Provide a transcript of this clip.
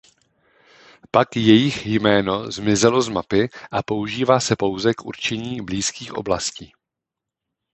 Pak jejich jméno zmizelo z mapy a používá se pouze k určení blízkých oblastí.